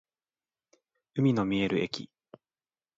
海の見える駅